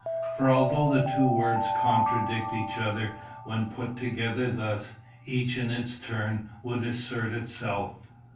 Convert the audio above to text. For although the two words contradict each other when put together thus, each in its turn would assert itself.